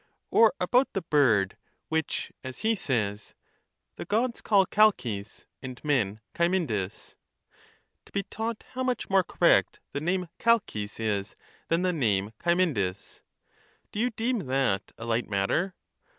Or about the bird which, as he says, ' The Gods call Chalcis, and men Cymindis :' to be taught how much more correct the name Chalcis is than the name Cymindis, — do you deem that a light matter?